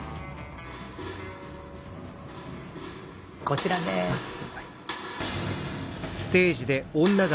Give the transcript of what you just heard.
こちらです。